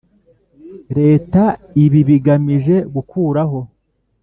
Leta ibi bigamije gukuraho